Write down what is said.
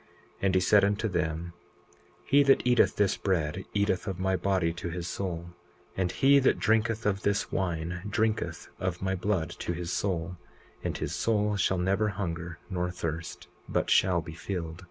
20:8 And he said unto them: He that eateth this bread eateth of my body to his soul; and he that drinketh of this wine drinketh of my blood to his soul; and his soul shall never hunger nor thirst, but shall be filled.